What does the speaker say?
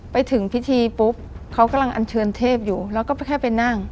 ไปถึงพิธีปุ๊บเขากำลังอันเชิญเทพอยู่แล้วก็แค่ไปนั่ง